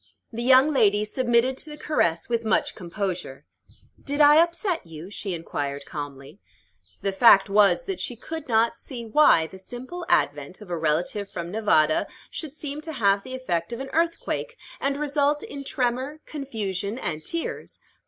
The young lady submitted to the caress with much composure. "Did I upset you?" she inquired calmly. The fact was, that she could not see why the simple advent of a relative from Nevada should seem to have the effect of an earthquake, and result in tremor, confusion, and tears.